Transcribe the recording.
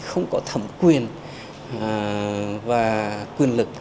không có thẩm quyền và quyền lực